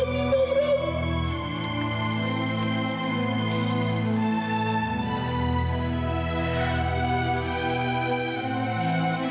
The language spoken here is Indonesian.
tuhan allah tolonglah ma historical